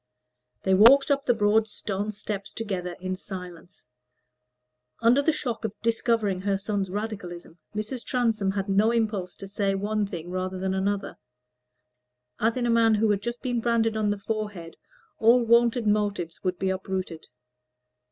They walked up the broad stone steps together in silence. Under the shock of discovering her son's Radicalism, Mrs. Transome had no impulse to say one thing rather than another; as in a man who had just been branded on the forehead all wonted motives would be uprooted.